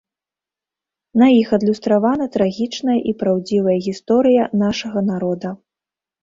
На іх адлюстравана трагічная і праўдзівая гісторыя нашага народа.